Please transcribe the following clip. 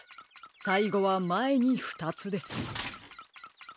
さいごはまえにふたつです。